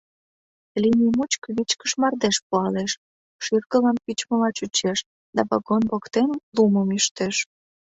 Линий мучко вичкыж мардеж пуалеш, шӱргылан пӱчмыла чучеш да вагон воктен лумым ӱштеш.